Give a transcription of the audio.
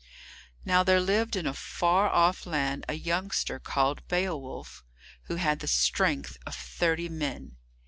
Now there lived in a far off land a youngster called Beowulf, who had the strength of thirty men.